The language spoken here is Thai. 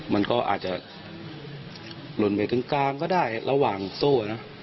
มันก็อาจจะหล่นไปถึงกลางก็ได้ระหว่างโซ่นะ